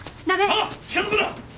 あっ近づくな！